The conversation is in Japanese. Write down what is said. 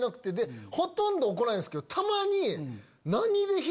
ほとんど怒んないんですけどたまに。